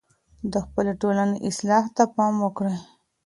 د خپلې ټولني اصلاح ته پام وکړئ.